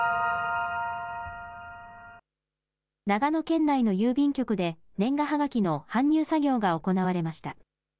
長野県内の郵便局で、年賀はがきの搬入作業が行われました。